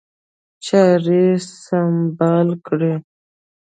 چاري سمبال کړي.